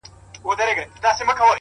تکرار عادتونه جوړوي’